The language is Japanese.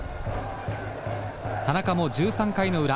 田中も１３回の裏。